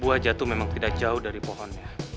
buah jatuh memang tidak jauh dari pohonnya